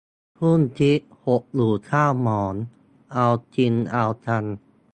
ครุ่นคิด หดหู่เศร้าหมอง เอาจริงเอาจัง